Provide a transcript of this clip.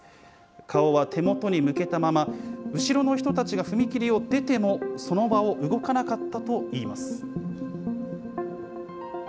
顔は手元に向けたまま、後ろの人たちが踏切を出ても、その場を動かなかったといいます。